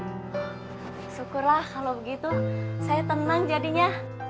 syukurlah kalau begitu saya tenang jadinya